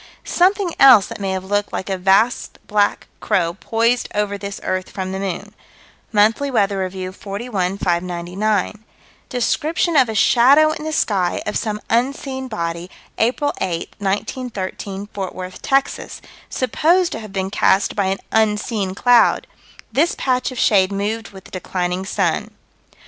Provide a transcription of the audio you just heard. Something else that may have looked like a vast black crow poised over this earth from the moon: Monthly Weather Review, 41 599: Description of a shadow in the sky, of some unseen body, April 8, 1913, Fort Worth, Texas supposed to have been cast by an unseen cloud this patch of shade moved with the declining sun.